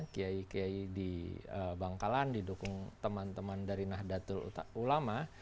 kiai kiai di bangkalan didukung teman teman dari nahdlatul ulama